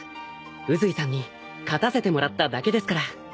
宇髄さんに勝たせてもらっただけですから。